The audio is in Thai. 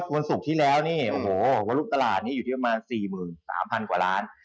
ส่วนศุกร์ที่แล้ววรุ่นตลาดนี้อยู่ที่ประมาณ๔๓๐๐๐กว่าล้าน